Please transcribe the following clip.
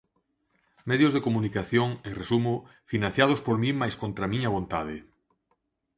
Medios de comunicación, en resumo, financiados por min mais contra a miña vontade.